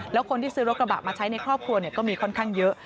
แล้วคนที่ซื้อรถกระบะมาใช้ในครอบครัวก็มีค่อนข้างเยอะ